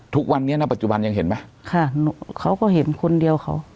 ทุกวันนี้นะปัจจุบันยังเห็นไหมค่ะเขาก็เห็นคนเดียวเขา